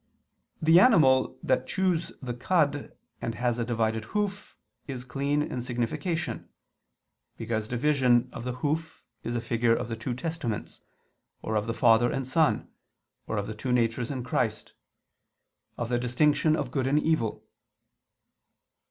The animal that chews the cud and has a divided hoof, is clean in signification. Because division of the hoof is a figure of the two Testaments: or of the Father and Son: or of the two natures in Christ: of the distinction of good and evil.